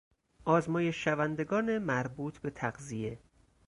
آزمایش شوندگان مربوط به تغذیه